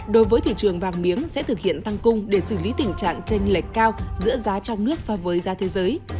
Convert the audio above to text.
đối với thị trường vàng miếng sẽ thực hiện tăng cung để xử lý tình trạng tranh lệch cao giữa giá trong nước so với giá thế giới